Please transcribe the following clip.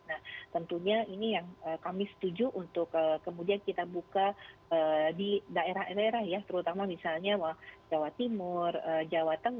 nah tentunya ini yang kami setuju untuk kemudian kita buka di daerah daerah ya terutama misalnya jawa timur jawa tengah